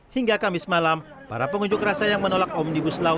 hingga kamis malam para pengunjuk rasa yang menolak omnibus law